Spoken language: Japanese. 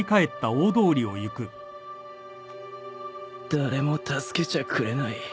誰も助けちゃくれない